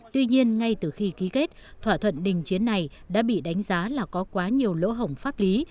tuy nhiên ngay từ khi ký kết thỏa thuận đình chiến này đã bị đánh giá là có quá nhiều lỗ hổng pháp lý